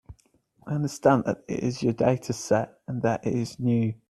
I understand that it is your dataset, and that it is new.